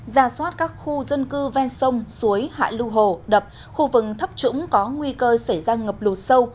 ra soát các khu dân cư ven sông suối hạ lưu hồ đập khu vực thấp trũng có nguy cơ xảy ra ngập lụt sâu